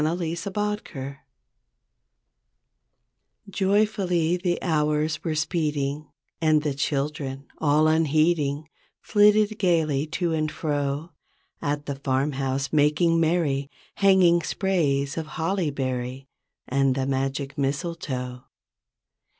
THE OLD, OLD STORY Joyfully the hours were speeding, And the children, all unheeding Flitted gaily to and fro. At the farmhouse making merry. Hanging sprays of holly berry And the magic mistletoe.